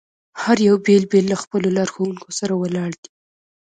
هر یو بېل بېل له خپلو لارښوونکو سره ولاړ دي.